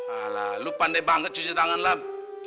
ala lo pandai banget cuci tangan lam